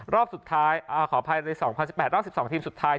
รอบสุดท้ายขออภัยใน๒๐๑๘รอบ๑๒ทีมสุดท้าย